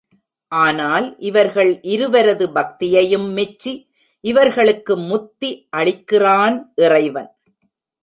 ஆனால் இவர்கள் இருவரது பக்தியையும் மெச்சி, இவர்களுக்கு முத்தி அளிக்கிறான் இறைவன்.